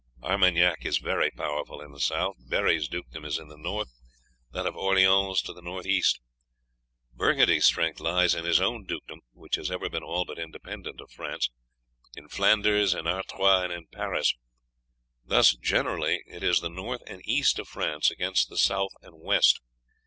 Armagnac is very powerful in the south, Berri's dukedom is in the north, that of Orleans to the north east. Burgundy's strength lies in his own dukedom, which has ever been all but independent of France, in Flanders, in Artois, and in Paris; thus, generally, it is the north and east of France against the south and west.